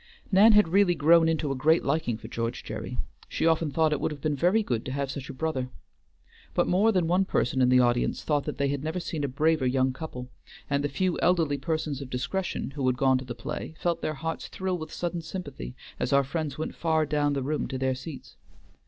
Nan had really grown into a great liking for George Gerry. She often thought it would have been very good to have such a brother. But more than one person in the audience thought they had never seen a braver young couple; and the few elderly persons of discretion who had gone to the play felt their hearts thrill with sudden sympathy as our friends went far down the room to their seats.